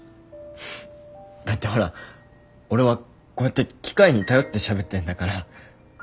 だってほら俺はこうやって機械に頼ってしゃべってんだから。